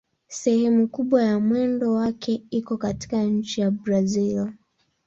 Sehemu kubwa ya mwendo wake iko katika nchi ya Brazil.